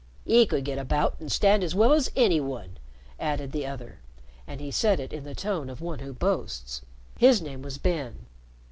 " 'E could get about an' stand as well as any one," added the other, and he said it in the tone of one who boasts. His name was Ben.